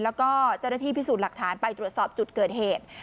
แล้วก็เจ้าหน้าที่พิสูจน์หลักฐานไปตรวจสอบจุดเกิดเหตุ